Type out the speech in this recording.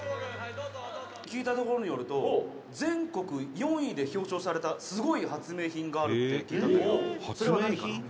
「聞いたところによると全国４位で表彰されたすごい発明品があるって聞いたんだけどそれは何かな？」